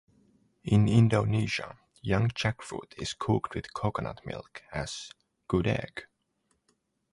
In Indonesia, young jackfruit is cooked with coconut milk as "gudeg".